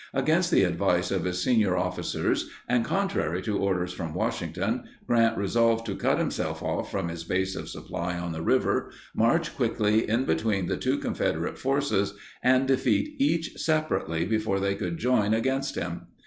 Against the advice of his senior officers, and contrary to orders from Washington, Grant resolved to cut himself off from his base of supply on the river, march quickly in between the two Confederate forces, and defeat each separately before they could join against him.